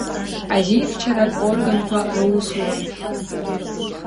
Азинхьчаратә органқәа русура…